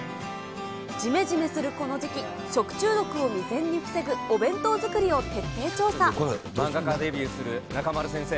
じめじめするこの時期、食中毒を未然に防ぐお弁当作りを漫画家デビューする中丸先生。